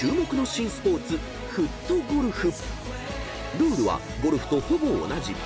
［ルールはゴルフとほぼ同じ］